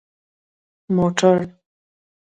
🚘 موټر